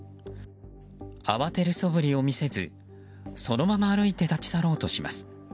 慌てるそぶりを見せずそのまま歩いて立ち去ろうとします。